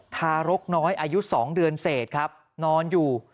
ทารกน้อยอายุ๒เดือนเศษครับนอนอยู่